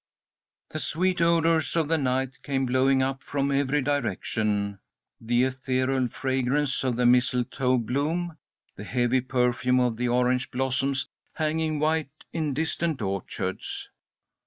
The sweet odours of the night came blowing up from every direction, the ethereal fragrance of the mistletoe bloom, the heavy perfume of the orange blossoms hanging white in distant orchards.